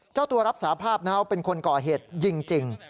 เจ้าตัวรับสาภาพว่าเป็นคนก่อเหตุยิงจริง